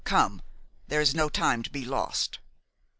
Come! There is no time to be lost!"